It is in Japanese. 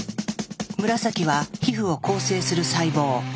紫は皮膚を構成する細胞。